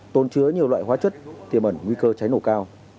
tồn chứa nhiều loại hóa chất tiềm ẩn nguy cơ cháy nổ cao